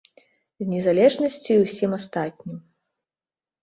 З незалежнасцю і ўсім астатнім.